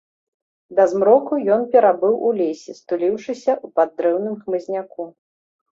Да змроку ён перабыў у лесе, стуліўшыся ў паддрэўным хмызняку.